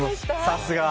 さすが。